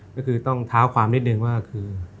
ก็คือต้องเท้าความนิดนึงว่าคือ